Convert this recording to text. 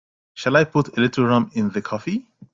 Shall I put a little rum in the coffee?